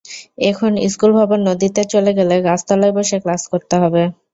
এখন স্কুল ভবন নদীতে চলে গেলে গাছতলায় বসে ক্লাস করতে হবে।